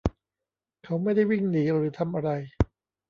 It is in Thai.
เขาไม่ได้วิ่งหนีหรือทำอะไร